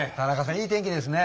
いい天気ですね。